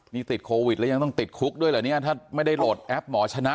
นี่ติดโควิดแล้วยังต้องติดคุกด้วยเหรอเนี่ยถ้าไม่ได้โหลดแอปหมอชนะ